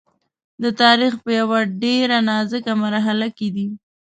د تاریخ په یوه ډېره نازکه مرحله کې دی.